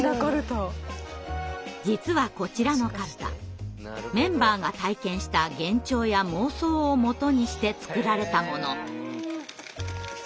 実はこちらのかるたメンバーが体験した幻聴や妄想をもとにして作られたもの。